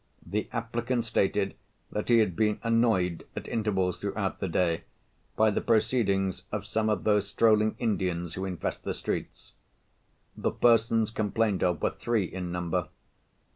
The applicant stated that he had been annoyed, at intervals throughout the day, by the proceedings of some of those strolling Indians who infest the streets. The persons complained of were three in number.